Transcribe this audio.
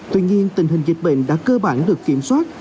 tuy nhiên tình hình dịch bệnh đã cơ bản được kiểm soát